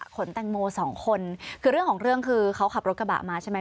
แตงโมสองคนคือเรื่องของเรื่องคือเขาขับรถกระบะมาใช่ไหม